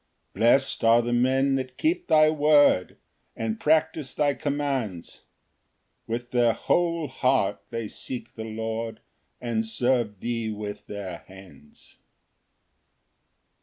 2 Blest are the men that keep thy word, And practise thy commands; With their whole heart they seek the Lord, And serve thee with their hands.